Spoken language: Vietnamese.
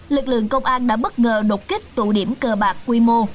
lực lượng công an đã bất ngờ đột kích tụ điểm cờ bạc quy mô